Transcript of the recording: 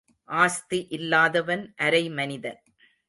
ஆஸ்தி இல்லாதவன் அரை மனிதன்.